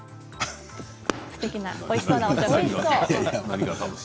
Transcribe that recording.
すてきなおいしそうなおかず。